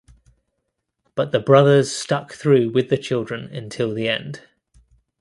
But the brothers stuck through with the children until the end.